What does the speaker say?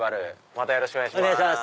またよろしくお願いします。